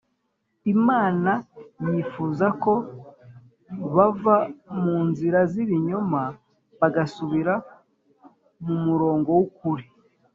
imana yifuzaga ko bava mu nzira z’ibinyoma bagasubira mu murongo w’ukuri